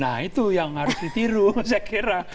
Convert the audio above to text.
nah itu yang harus ditiru saya kira